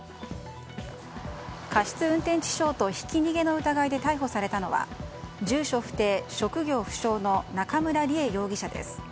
過失運転致傷とひき逃げの疑いで逮捕されたのは住所不定、職業不詳の中村理恵容疑者です。